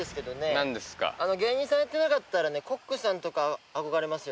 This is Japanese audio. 何ですか芸人さんやってなかったらねコックさんとか憧れますよね